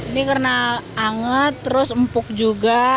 ini karena anget terus empuk juga